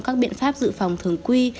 các biện pháp dự phòng thường quy